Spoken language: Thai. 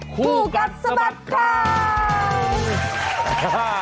คู่กัดสมบัติค้า